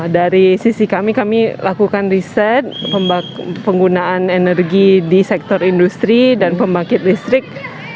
dari sisi kami kami lakukan riset penggunaan energi di sektor industri dan pembangkit listrik